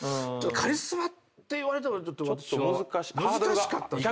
カリスマっていわれてもちょっと私は難しかったですね。